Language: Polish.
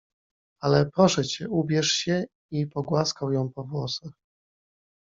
— Ala, proszę cię, ubierz się — i pogłaskał ją po włosach.